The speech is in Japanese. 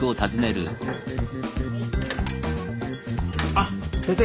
あっ先生